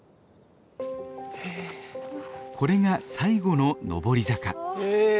これが最後の上り坂。